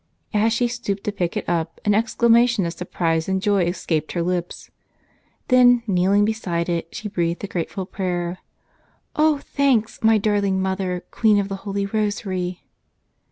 As she stooped to pick it up an exclamation of surprise and joy escaped her lips. Then kneeling be¬ side it she breathed a grateful prayer : "O thanks, my darling Mother, Queen of the Holy Rosary!"